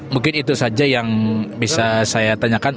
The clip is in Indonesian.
mungkin itu saja yang bisa saya tanyakan